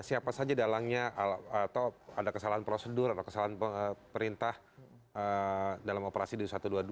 siapa saja dalangnya atau ada kesalahan prosedur atau kesalahan perintah dalam operasi dua satu ratus dua puluh dua